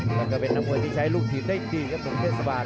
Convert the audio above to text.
แล้วก็เป็นนักมวยที่ใช้ลูกทีมได้ดีครับหนุ่มเทศบาล